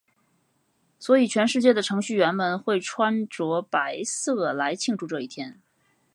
所以全世界的程序员们会穿着白色来庆祝这一天。